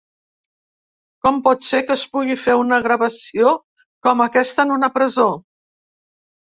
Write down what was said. Com pot ser que es pugui fer una gravació com aquesta en una presó?